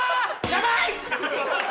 やばい！